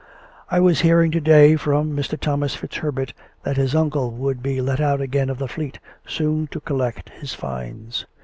" I was hearing to day from Mr. Thomas FitzHerbert that his uncle would be let out again of the Fleet soon to collect his fines."